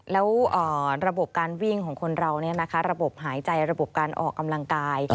แล้วระบบการวิ่งของคนเราระบบหายใจระบบการออกกำลังกาย